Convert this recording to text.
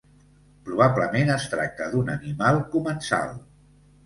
Probablement es tracta d'un animal comensal.